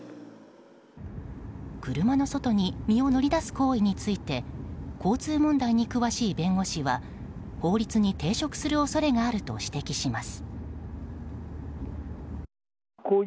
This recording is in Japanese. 車の外に身を乗り出す行為について交通問題に詳しい弁護士は法律に抵触する恐れがあると指摘します。